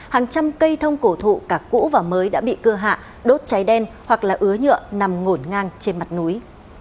hàng trăm cây thông cổ thụ cả cũ và mới đã bị cưa hạ đốt cháy đen hoặc là ứa nhựa nằm ngổn ngang trên mặt núi